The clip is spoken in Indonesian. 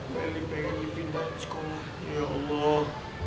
mary pengen dipindahin sekolah ya allah